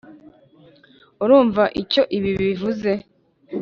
urumva icyo ibi bivuze?